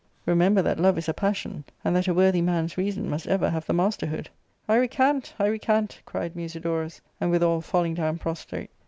Remember that love is a passion, and that a worthy man^s reason must ever have the masterhood." " I recant, hT^cant," cried Musiddrus, and withal falling down prostrate.